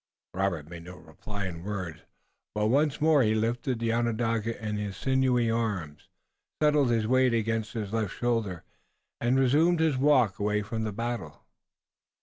Robert made no reply in words, but once more he lifted the Onondaga in his sinewy arms, settled his weight against his left shoulder and resumed his walk away from the battle.